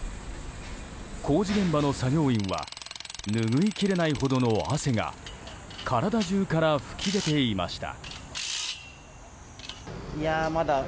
工事現場の作業は拭いきれないほどの汗が体中から噴き出ていました。